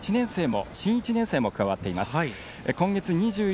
新１年生も加わってます。